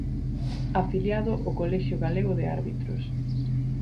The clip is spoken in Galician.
Afiliado ao colexio galego de árbitros.